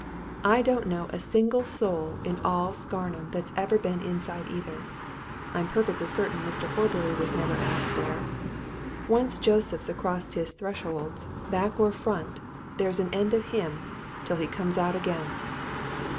I don't know a single soul in all Scarnham that's ever been inside either. I'm perfectly certain Mr. Horbury was never asked there. Once Joseph's across his thresholds, back or front, there's an end of him till he comes out again!"